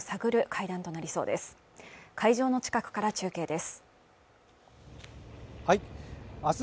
会場の近くから中継です明日